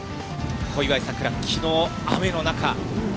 小祝さくら、きのう、雨の中。